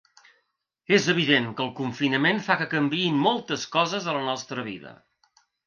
És evident que el confinament fa que canviïn moltes coses a la nostra vida.